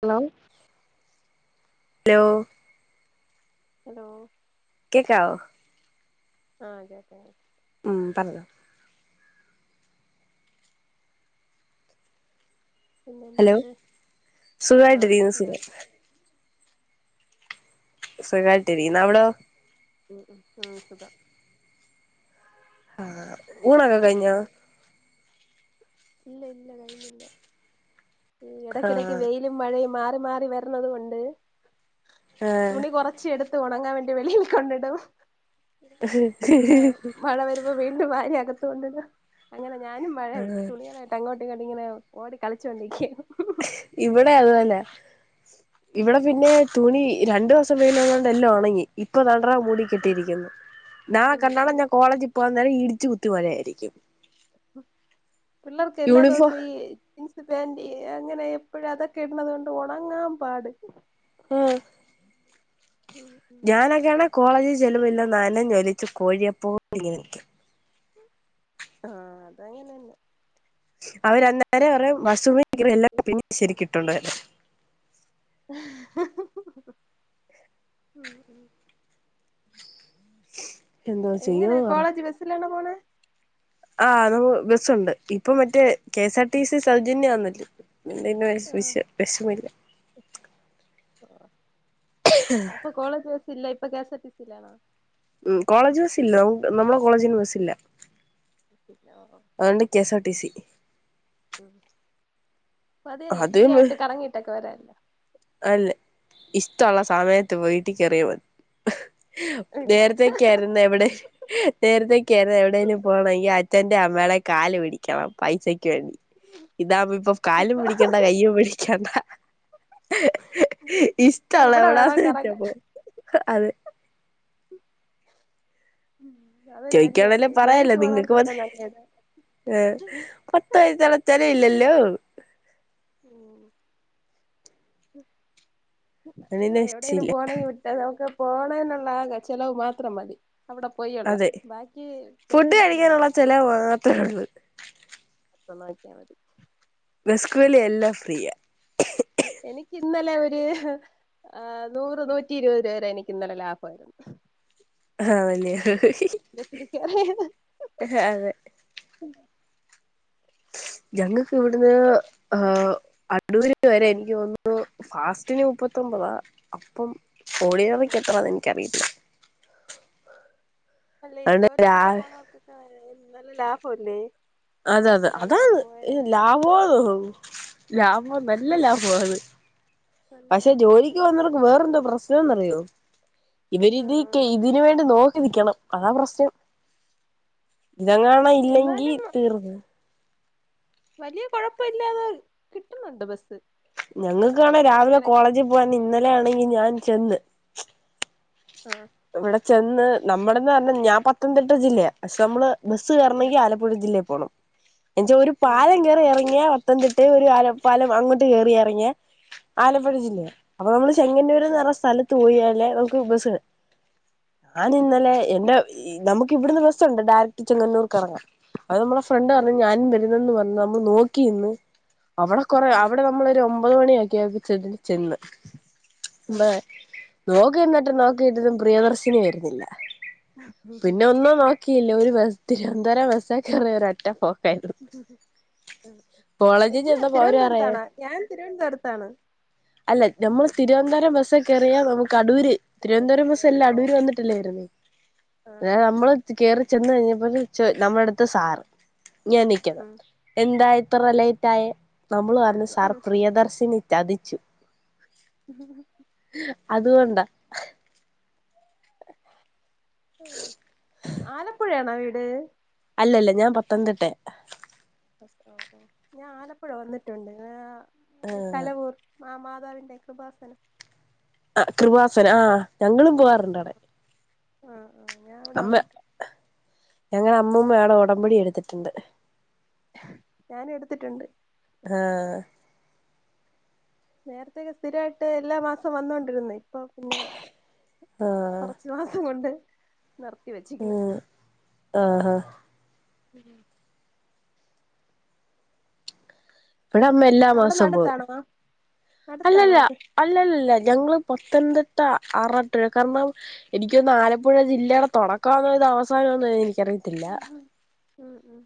Hello hello... hello..... ചാവോ.. ആഹ അതെ അതെ അതെ ആ പറഞ്ഞോ പിന്നെ ഹലോ എന്തുണ്ട് ആഹ് സുഖായിട്ടിരിക്കുന്നു ഹലോ സുഖ സുഖായിട്ടിരിക്കുന്നു അവിടോ ഉം ഉ ഉ സുധാ [unintelligible] ആഹ ഊണകെ കഴഞ്ഞ ഇല്ല ഇല്ല കഴിഞ്ഞില്ല ഈ ഇടക്കിടയ്ക്ക് ആഹ് വെയിലും മഴയും മാറി അ മാറി വരന്നത ഉണ്ട് ആഹ് തുണി കുറച്ച് എടുത്ത് എടുത്ത് ഉണങ്ങാൻ വേണ്ടി വെളിയിൽ കൊണ്ടിടും ആഹ മഴ വരുമ്പോ വീണ്ടും ഭാര്യാക്കുന്ന [unintelligible] ഞാനും മഴയ ആഹ് തുണികളായിട്ട് അങ്ങോട്ട ഇങ്ങനെ ഓടി കളിച്ചോണ്ടിരിക്കും ഇവിടെ അത് തന്നെ ഇവിടെ പിന്നെ തുണി രണ്ടു ദിവസം വെയിലുള്ളൊണ്ട് എല്ലാം ഉണങ്ങി ഇപ്പൊ മൂടിട്ടിരിക്കുന്നു ഉം ഉം ഞാൻ കോളേജിൽ പോക നേര ഉച്ചകുത്തി മഴ ആയിരിക്കും പിള്ളേർക്ക് എല്ലാ യൂണിഫോം ദിവസവും ജീൻസ് പാന്റ് അങ്ങനെ എപ്പോഴും അതൊക്കെ ഇടുന്നത കൊണ്ട് ഉണങ്ങാൻ പാട് ആ ഉം ഉം ഞാനൊക്കെയണ കോളേജിൽ ചലവില്ല നനഞ്ഞു ഒലിച്ചു കോഴിയപ്പോ ഇങ്ങനെ നിക്കും ആഹ അത അങ്ങനെന്നെ അവർന്നേരം [unintelligible] എല്ലും ഈ പിന്നെ ശരിക്കട്ടും ഇട്ടിട്ടുണ്ട് [unintelligible] [inaudible] എന്തോ എങ്ങനെ ചെയ്യോന്ന് കോളേജ് ബസിലാണ് പോണ ആ നമ ബസുണ്ട് ഇപ്പൊ മറ്റേ K S R T C സൗജന്യനല്ലേ എന്ത വിഷമില്ല അപ്പൊ കോളേജ് ബസ് ഇല്ലേ [unintelligible] ഉ കോളേജ് ബസ്സ ഇല്ല നമ്മള കോളേജിന് ബസ്സില്ല ആണ്ട് K S R T C ഉം അതേല്ലേ അത് ഫ്രീ ആയിട്ട് കറങ്ങിട്ടൊക്കെ വരാല്ലോ അല്ല ഇഷ്ടൊള്ള സമയത്ത് വീട്ടി കേയറിയ മതി വീട്ടി നേരത്തക്കെയായിരുന്ന എവടെ നേരത്തെ ഒക്കെ ആയിരുന്നേ എവിടേലും പോണേല് അച്ഛന്റേം അമ്മേടേം കാല് പിടിക്കണം പൈസക്ക് ഇതാവുമ്പോ ഇപ്പൊ കാലും പിടിക്കണ്ട കയ്യും പിടിക്കണ്ട ഇഷ്ടുള്ള എവിടെ വേണോ എവിടാന്ന് വച്ച കറങ്ങാൻ പ്പോ അത് [unintelligible] [inaudible] അതൊരു വലിയ ചോദിക്കാവല്ലോ പറയാലോ ജോലിക്ക് പോണവർക്കൊക്കെ നിങ്ങൾക്കുമത് നല്ലതാ ഏഹ് [unintelligible] ഹലോ ഊം മ് അതിന് എവിടെേലും രക്ഷയില്ല പോണെങ്കിൽ [unintelligible] പോണെന്നുള്ള ആകെ ചെലവ് മാത്രം മതി അവിടെ പോയുള്ള അതെ. ബാക്കി ഫുഡ് ബസിന് കഴിക്കാനുള്ള ചെലവ് മാത്രേ ഉള്ളു. [unintelligible] നോക്കിയാ മതി ബസ് കൂലി എല്ലാം ഫ്രീയാ എനിക്കിന്നലെ ഒരു നൂറ് നൂറ്റി ഇരുപത് രൂപരെ എനിക്ക് ഇന്നലെ ലാഭായി ആഹ് വലിയ കേറിയത് ഹ അതെ ഞങ്ങക്ക് ഇവിടുന്ന് ആഹ് അ അടൂര് വരെ എനിക്ക് തോന്നുന്നു ഫാസ്റ്റിന് മുപ്പത്തിയോമ്പതാ അപ്പം ആഹ് ആഹ് ഓഡിനറിക്കെത്രാന്ന് എനിക്കറിയത്തില്ല അല്ലെ അതുകൊണ്ട് രാ ജോലിക്കൊക്കെ പോണവർക്കൊക്കെ [unintelligible] ലാഭല്ലേ അതെ അതെ മാസം അതാണ് രണ്ടായിരം മൂവായിരം രൂപ ലാഭോ ലാഭോ നല്ല ലാഭ്വാണ് നല്ല പഷെ ലാഭം ജോലിക്കോന്നവർക്ക് വേറെന്തോ പ്രശ്നോന്നറിയോ ഇവരിതി ആഹ് ക്കെ ഇതിന് വേണ്ടി നോ രിക്കണം അതാ പ്രശ്നം ഇതങ്ങാണം ഇല്ലെങ്കി എന്നാലും ഉം വലിയ കൊഴപ്പം ഇല്ലാതെ കിട്ടുന്നുണ്ട് ബസ് ഞങ്ങൾക്കണേ രാവിലെ കോളേജി പോവാൻ നിന്ന അങ്ങനെ ആണെങ്കി ഞാൻ ചെന്ന് ആ ഇവിടെ ചെന്ന് നമ്മളന്ന് പറഞ്ഞ ഞാൻ പത്തംതിട്ട ജില്ലയാ പക്ഷേ മ്മള് ബസ് ആഹ് കേറണമെങ്കി ആലപ്പുഴ ജില്ലേ അപ്പോള എൻ്റെ ഒരു ആഹ് പാലം ആഹ് കയറി ഇറങ്ങിയ പത്തനംതിട്ട ഒരുല പാലം അങ്ങോട്ട് കേയറി ഇറങ്ങിയ ആലപ്പുഴ ജില്ലയ അപ്പൊ നമ്മള് ചെങ്ങന്നൂരന്ന് എന്ന ആഹ് പറഞ്ഞ സ്ഥലത്ത് പോയി അല്ല ന [inaudible] ഞൻ ആഹ് ആഹ് ഇന്നലെ എൻ്റെ നമുക്ക് ഇവിടുന്ന് ബസുണ്ട് ഡയറക്റ്റ് ചെങ്ങന്നൂർക്ക് എറങ്ങാ അത് നമ്മുടെ ഫ്രണ്ട് ഉം പറഞ്ഞ ഉം ഞാനും വരുന്നെന്ന് പറഞ്ഞ നോക്കി ഇന്ന് അവിടെ കുറ ഉം അവിടെ നമ്മളൊരു ഒൻ ഒൻപത് മണിയക്കി [unintelligible] ചെന്ന് ചെന്ന് ആഹ് ബ നോക്ക് എന്നിട്ട് നോ ട്ടതും പ്രിയദർശിനി വരുന്നില്ല ഉം ഉം പിന്നെ ഒന്നും നോക്കിയില്ല ഒരു [unintelligible] അന്നേരം ബസേ കേറി ഒറ്റ പോ കോളേജിൽ ഇങ്ങ ചെന്നപ്പോ അവര് പറയാ തിരുവനന്തപുരത്താണാ ഞാൻ തിരുവനന്തപുരത്താണ് ബസൊക്കെ കേറിയാൽ നമ്മുക്ക് അടൂരി തിരുവനന്തപുരം ബസ് എല്ലാം ഓ അടൂര് ഓ ഓ വന്നിട്ടില്ലേവരുന്നെ ആഹ് [unintelligible] ആഹ് നമ്മള് ആഹ് കയറി ചെന്ന് കഴിഞ്ഞ [unintelligible] നമ്മടത്തെ സാറ് ഞാൻ നിക്കുന്നു എന്താ ഇത്ര ലേറ്റായ നമ്മള് പറഞ്ഞു സാർ പ്രിയദർശിനി ചതിച്ചു അത്കൊണ്ട് ബ ആലപ്പുഴയാണോ വീട്? അല്ലല്ല ഞാൻ പത്തനംതിട്ട ഓ ഓ ഓ ഞാൻ ആലപ്പുഴ വന്നിട്ടുണ്ട് കലവൂർ [unintelligible] പിതാവിന്റെ കൃപാസന ആ കൃവാസന ആ ഞങ്ങളും പോവാറുണ്ട് അടെ ആ ആ ഞാ അവിടെ വന്നിട്ടുണ്ട് ഞങ്ങളെ അമ്മൂമ്മ അവിടെ ഉടമ്പൊടി എടുത്തിട്ടുണ്ട് ഞാൻ എടുത്തിട്ടുണ്ട് ആ നേരത്തക്കെ സ്ഥിരയിട്ട് എല്ലാ മാസവും വന്നോണ്ടിരുന്ന ഇപ്പൊ പിന്നെ ആഹ് കൊറച്ചു മാസം കൊണ്ട് നിർത്തി വെച്ചിരിക്കണ് ഉം ആ ആ ഉം ഇവിടെ അമ്മ എല്ലാ അവിടെന്ന് മാസവും പോകും അടുത്താണോ അടുത്താണോ അല്ലല്ല അത് അല്ലല്ലല്ല ഞങ്ങള് പത്തനതി ആറാട്ടാ ആറാട്ട് കാരണം എനിക്ക് തോന്ന് ആലപ്പുഴ ജില്ലയുടെ തൊടക്കംആന്നോ ഇത് അവസാനംആന്നോ എനിയ്ക്ക് അറിയത്തില്ല ഉം ഉം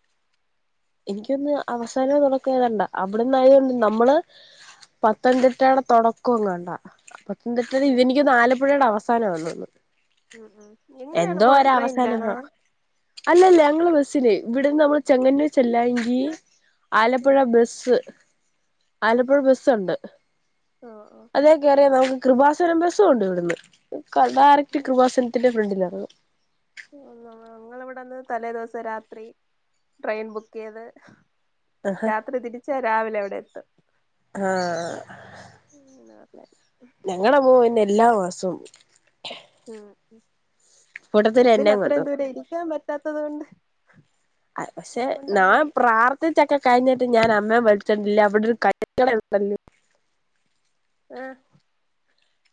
എനിക്കുതോന്ന് അവസാനമോ തൊടക്കമോ എതാണ്ട അവിടെന്ന് ആയതുകൊണ്ട് നമ്മള് പത്തതിട്ടയെടെ തൊടക്കങ്ങാണ്ട എന്നിട്ട് ഓ ഓ എനിക്ക് തോന്ന് ആലപ്പുഴയുടെ അവസാ- സാനമാണന്ന് ഉം ഉം എങ്ങനെയാണ് എന്തോ പോണ ഒര് ട്രെയിനിലാണോ അവസാനം അല്ലല്ല ഞങ്ങള് ബസ്- ച്ചില്ലേ ഇവിടെന്ന് നമ്മള് ചെങ്ങന്നൂ ചെല്ലാങ്കി- ഉം ആലപ്പുഴ ബസ് ആലപ്പുഴ ബസ്സ്ഒണ്ട് ഓ ഓ അതെ കേറിയ നമ്മക്ക് കൃപാസനം ബസുംഒണ്ട് ഇവിടുന്ന് ഡയറക്റ്റ് കൃപാസനത്തിന്റെ ഫ്രണ്ടിലാ [inaudible] നമ്മ ഞങ്ങള് ഇവിടെന്ന് തലേ ദിവസം രാത്രി ട്രെയിൻ ബുക്ക് ചെയ്ത് രാത്രി തിരിച്ചാ രാവിലെ അവിടെ എത്തും [inaudible] ആഹ് ഞങ്ങള് പോകും പിന്നെ എല്ലാ മാസവും ഉം കൂട്ടത്തിൽ ബസ്സിൽ എന്നെ കൊണ്ടു അത്രയും ദൂരം പോവും ഇരിക്കാൻ പറ്റാത്തത് കൊണ്ട് പക്ഷെ അതുകൊണ്ട് നാൻ അങ്ങനെ പ്രാർത്ഥിച്ചൊക്കെ കഴിഞ്ഞിട്ട് ഞാൻ അമ്മയെ വിളി അവിടെ ഒരു കൈക്കള ഉണ്ടല്ലോ ആ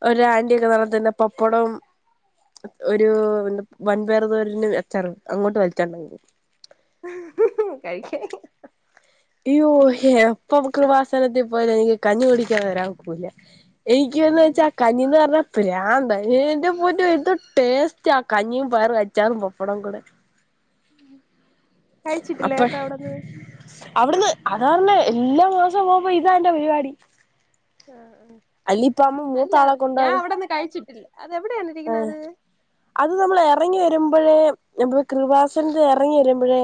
ഒര് ആന്റി ഒക്കെ നടത്തുന്ന പപ്പടം ഒരു വൻപയർ തോരനും അച്ചാറും അങ്ങോട്ട് വലിച്ചോണ്ടങ്ങ് പോകും ഹ് ഹും കഴിക്കാൻ ഇയ്യോ എപ്പോ കൃപാസന സനത്തിൽ പോയാ ലും എനിക്ക് കഞ്ഞി കുടിക്കാതെ വരാൻ ഒക്കൂല്ല എനിക്ക് എന്ന് വെച്ചാ കഞ്ഞിയെന്ന് പറഞ്ഞ ഭ്രാന്താ എന്റെ പൊന്നോ എന്തോ ടേസ്റ്റ് ആ കഞ്ഞിയും പയറും അ ച്ചാറും പപ്പടം കൂടെ കഴിച്ചിട്ടില്ലേ അപ്പ ഏട്ടൻ അവിടന്ന് അവിടുന്ന് അതാ പറഞ്ഞേ എല്ലാ മാസം പോവുമ്പോ ഇതാ എന്റെ പരിപാടി ആ ആ അല്ലിപ്പ അമ്മ മൂത്ത അല്ല ആളെ കൊണ്ട് ഞാൻ അവിടന്ന് കഴിച്ചിട്ടില്ല അത് ഏഹ് എവിടെയാണിരിക്കണത്? അത് നമ്മൾ ഇറങ്ങി വരുമ്പോഴേ നമ്മള് കൃവാസന ഇറങ്ങി വരുമ്പോഴേ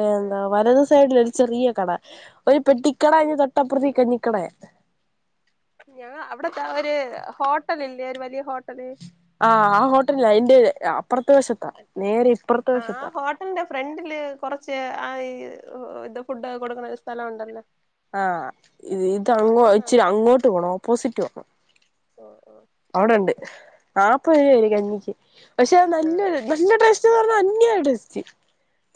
ഏ എന്താ വലതുസൈ സൈഡിൽ ഒരു ചെറിയ കട. ഒരു പെട്ടിക്കട അതിന് തൊട്ടപ്പുറത്തി കഞ്ഞിക്കടയാ. ഞങ്ങ അവിടത്തെ ഒരു ഹോട്ടൽ ഇല്ലേ ഒരു വലിയ ഹോട്ട ആ ആ ഹോട്ടലാ അതിന്റെ [unintelligible] നേരെ ഇപ്പുറത്തെ ആ വശത്താ ഹോട്ടലിന്റെ ഫ്രണ്ടില് കുറച്ച് ആ ഇത് ഫുഡ് കൊടുക്കണ സ്ഥലം ഉണ്ടല്ലോ? ആ ഇത്ങ്ങോ അവിടെന്നാണ് ഇച്ചിരി അങ്ങോട്ട് പോണം ഓപ്പോസിറ്റ് പോണം. ഓ ഓ അവിടുണ്ട്. നാല്പത് രൂപയാ ഒരു കഞ്ഞിക്ക് പക്ഷെ അത് നല്ല നല്ല ടേസ്റ്റ്. ച്ച് പറഞ്ഞാൽ അന്യായ ടേസ്റ്റ്.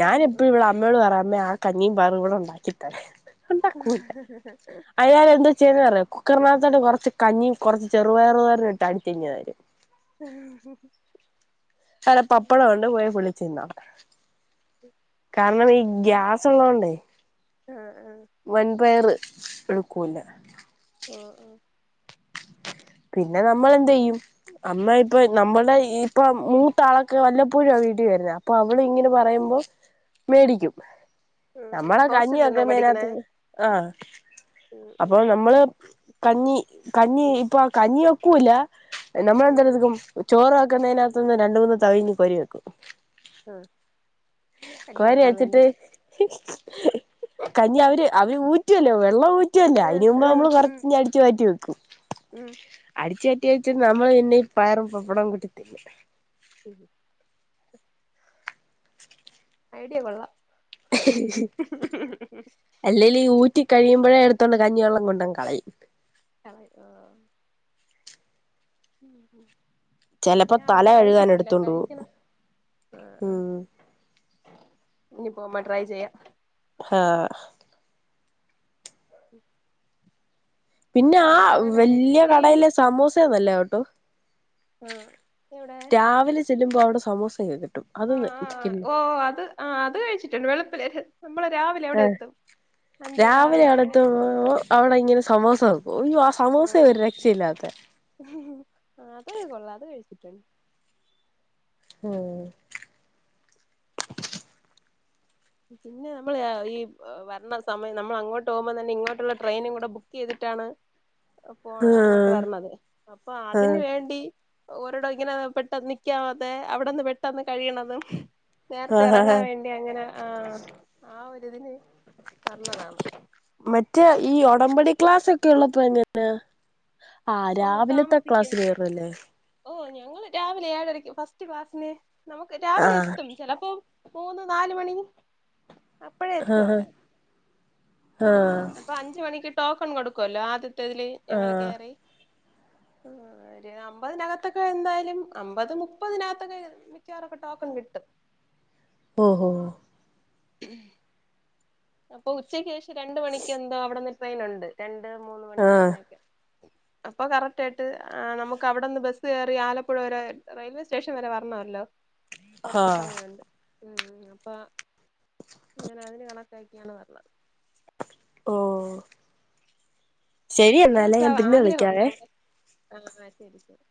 ഞാൻ ഉം എപ്പഴും ഇവിടെ അമ്മയോട് പറയും അമ്മ ആ. കഞ്ഞിയും പയറും കൂടി ഉണ്ടാക്കിത്തരാൻ. ഹ ഹ ഹ അയാള് എന്താ ചെയ്യണന്ന് അറിയാവോ, കുക്കറിനകത്ത് കൊറച്ച് കഞ്ഞിയും കുറച്ച് ചെറുപയറു തോരനും ഇട്ട് അടിച്ച് ഇങ്ങ് തരും. അരപപ്പടം ഒണ്ട് പോയി പൊള്ളിച്ച് തിന്നാം. കാരണം ഈ ഗ്യാസ് ഉള്ളതുകൊണ്ട് ആഹ് ആഹ് വൻപയറ്. എടുക്കൂല. ഓ ഓ പിന്നെ നമ്മൾ എന്ത് ചെയ്യും, അമ്മ ഇപ്പൊ നമ്മളുടെ ഇപ്പം മൂത്ത ആളൊക്കെ വല്ലപ്പോഴും വീട്ടിൽ വരുന്നത് അപ്പൊ. നമ്മള് ഇങ്ങനെ പറയുമ്പോ. മേടിക്കും. നമ്മളാ കഞ്ഞി ഹോസ്റ്റലിൽ നിന്നാ പഠിക്കണേ വെയ്ക്കുന്നതിനകത്ത് ആ ഉം ഉം അപ്പൊ നമ്മള്. കഞ്ഞി കഞ്ഞി ഇപ്പം. കഞ്ഞി വെക്കൂല. നമ്മള് ഉം എന്തെടുക്കും ചോറിന വെക്കുന്നതിനകത്തൊന്ന് നിന്ന് രണ്ടു മൂന്ന് തവി ഇങ്ങ് കോരി വെക്കും. ആ കോരി വെച്ചിട്ട്. കഞ്ഞി അവര് അവര് ഊറ്റ റ്റുല്ലോ വെള്ള ഉറ്റല്ല ആഹ് അതിന് മുമ്പ് നമ്മള് ആഹ് കൊറച്ച ഉം അടിച്ചു മാറ്റി വെക്കും. അടിച്ചട്ടിയച്ച നമ്മള് പിന്നെ ഈ പയറും പപ്പടം കൂട്ടി തിന്നു. ഉം ഐഡിയ കൊള്ളാം. അല്ലേലും ഈ ഊറ്റി. കഴിയുമ്പോഴേ എടുത്തോണ്ട് കഞ്ഞിവെള്ളം കൊണ്ട് അങ്ങ് കളയും. കളയുവോ ഉം ഉം ചെിലപ്പോ തല കഴുകാൻ എടുത്തുണ്ട് പോ ആഹ് ഉം ഇനി പോ്പ ട്രൈ ചെയ്യ ആഹ ഉം പിന്നെ ആ വല്യ എത്രയും കടയിലെ സമോസന്നല്ലേ ട്ടോ ആഹ് എവിടെ രാവിലെ ചെല്ലുമ്പോ സമൂസ ഏത് ആ ആ ഓ അത് ആ് അത് കഴിച്ചിട്ടണ്ട് വെളുപ്പില ഏ ആറ് രാവിലെ മണി അടുത്ത് അങ്ങനെയൊക്കെ അവിടെ ഇങ്ങനെ സമോസ വെക്കും അയ്യോ ആ സമോസ ഒരുരെ രക്ഷയില്ലാത്ത ആ അത കൊള്ളാം അത് കഴിച്ചിട്ടുണ്ട് ആഹ പിന്നെനമ്മൾ പറയണ സമയം അങ്ങോട്ട് പോകുമ്പോ തന്നെ ഇങ്ങോട്ടുള്ള ട്രെയിനും കൂടെ ബുക്ക് ചെയ്തിട്ടാണ് പോണത അങ്ങോട്ട് ആഹ് വരണത് അപ്പൊ അതിന് വേണ്ടി ഓരോടോ ഇങ്ങനെ പെട്ടന്ന് നിക്കാ അതെ അവിടെന്ന് പെട്ടന്ന് കഴിയണത് നേരത്തെ ആഹ് ആഹ് ഇറങ്ങാൻ വേണ്ടി അങ്ങനെ ആഹ ആ ഒരിതിന് നല്ലതാണ് മറ്റേ ഈ ഉടമ്പടി ക്ലാസ് ഒക്കെ ഉള്ളപ്പോ എങ്ങനാ ആ ഓ രാവിലത്തെ താമസിക്കും ക്ലാസ്ില് കേയറല്ലേ ഓ ഞങ്ങള്ൾ രാവിലെ ഏഴരയ്ക്ക് ഫസ്റ്റ് ക്ലാസ്സിന് നമുക്ക് രാവിലെ ആഹ് എത്തും ചിലപ്പോ മൂന്ന് നാാല മണി അപ്പഴേ ആഹ എത്തും ഹഹ അവിടെ ആഹ അപ്പൊ അഞ്ച് മണിക്ക് ടോക്കൺ കൊടുക്കുമല്ലോ അത് ഇത്തതിൽ ഞങ്ങൾ ആഹ് കയറി ആ ഒരു അമ്പതിനകത്തൊക്കെ എന്തായാലും അമ്പത് മുപ്പതിനകത്തൊക്കെ മിക്കവറൊക്കെ ടോക്കൺ കിട്ടും ഓഹ ഉം അപ്പൊ ഉച്ചയ്ക്ക് ശേഷ രണ്ട മണിക്ക് എന്തോ അവിടുന്ന് പ്ലെയിൻ ഉണ്ട്ട്രെയിൻ ഉണ്ട് രണ്ട് മൂന്ന മണിക്ക് ആഹ് അങ്ങനെയൊക്കെ അപ്പൊ കറക്റ്റ് ആയിട്ട് ആ നമുക്ക് അവിടെന്ന് ബസ്സ് കയറി ആലപ്പുഴ വരെ റെയിൽവേ സ്റ്റേഷൻ വരെ വരണമല്ലോ കൊറച്ച് ആഹ് സമയംമുണ്ട് ഉം അപ്പ ങ്ങനെ അതിന് കണക്ക് എാണ് പറഞ്ഞ [unintelligible] ഓ ശരി എന്ന എന്നാലേ ഞാൻ പിന്നെ വിളിക്കാവെ ആ ശരി ശരി